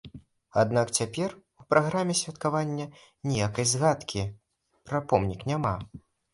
Аднак цяпер у праграме святкавання ніякай згадкі пра помнік няма.